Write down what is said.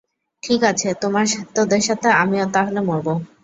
ঠিক আছে, তোদের সাথে আমিও তাহলে মরব!